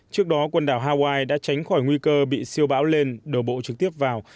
trước đó quần đảo hawaii đã tránh khỏi nguy cơ bị siêu bão lên đổ bộ trực tiếp vào